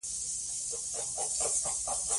باسواده ښځې ماسټري او دوکتورا کوي.